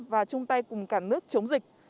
và chung tay cùng cả nước chống dịch